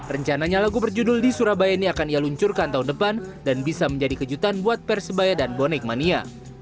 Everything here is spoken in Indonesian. rencananya lagu berjudul di surabaya ini akan ia luncurkan tahun depan dan bisa menjadi kejutan buat persebaya dan bonek mania